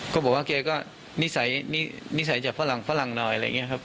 ก็บอกว่าแกนิสัยจะฝรั่งหน่อยอะไรอย่างนี้ครับ